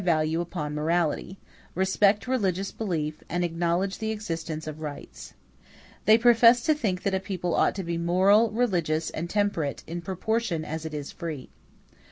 The republicans in the United States set a high value upon morality, respect religious belief, and acknowledge the existence of rights. They profess to think that a people ought to be moral, religious, and temperate, in proportion as it is free.